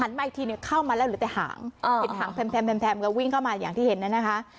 มาอีกทีเนี่ยเข้ามาแล้วเหลือแต่หางเห็นหางแพมก็วิ่งเข้ามาอย่างที่เห็นน่ะนะคะ